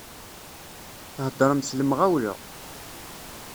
Theddṛem s lemɣawla.